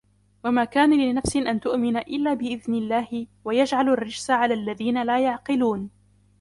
وَمَا كَانَ لِنَفْسٍ أَنْ تُؤْمِنَ إِلَّا بِإِذْنِ اللَّهِ وَيَجْعَلُ الرِّجْسَ عَلَى الَّذِينَ لَا يَعْقِلُونَ